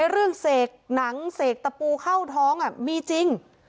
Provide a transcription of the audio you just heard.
เรื่องเสกหนังเสกตะปูเข้าท้องมีจริง